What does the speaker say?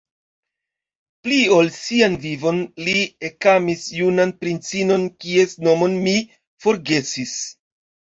Pli ol sian vivon li ekamis junan princinon, kies nomon mi forgesis.